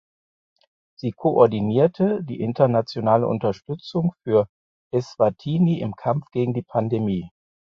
Sie koordinierte die internationale Unterstützung für Eswatini im Kampf gegen die Pandemie.